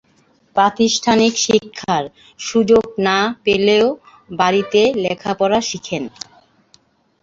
প্রাতিষ্ঠানিক শিক্ষার সুযোগ না পেলেও বাড়িতে লেখাপড়া শিখেন।